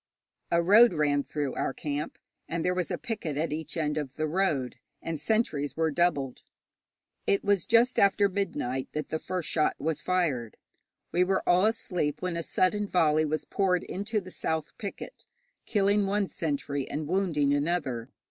A road ran through our camp, and there was a picket at each end of the road, and sentries were doubled. It was just after midnight that the first shot was fired. We were all asleep when a sudden volley was poured into the south picket, killing one sentry and wounding another.